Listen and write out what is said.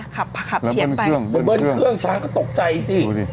ขับขับเชียงไปเบิ้ลเครื่องเบิ้ลเครื่องช้างก็ตกใจจริงดูดิ